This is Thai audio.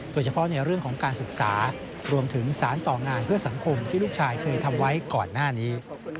โดยเฉพาะในเรื่องของการศึกษารวมถึงสารต่องานเพื่อสังคมที่ลูกชายเคยทำไว้ก่อนหน้านี้